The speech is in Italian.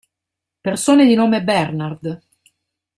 Persone di nome Bernard